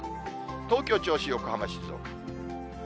東京、銚子、横浜、静岡。